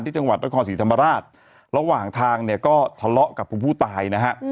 จังหวัดนครศรีธรรมราชระหว่างทางเนี่ยก็ทะเลาะกับผู้ตายนะฮะ